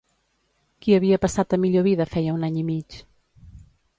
Qui havia passat a millor vida feia un any i mig?